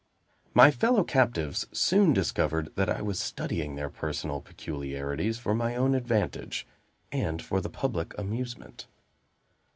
My fellow captives soon discovered that I was studying their personal peculiarities for my own advantage and for the public amusement.